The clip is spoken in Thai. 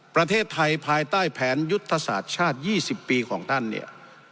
ประเทศไทยภายใต้แผนยุทธศาสตร์ชาติ๒๐ปีของท่านเนี่ย